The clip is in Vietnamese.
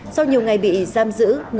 sau nhiều ngày bị giam giữ